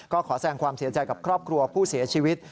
ก็ขอแสงความเสียใจกับครอบครัวผู้เสียชีวิต